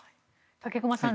武隈さん